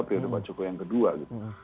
pria depan jokowi yang kedua gitu